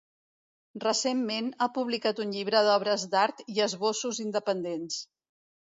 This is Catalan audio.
Recentment, ha publicat un llibre d'obres d'art i esbossos independents.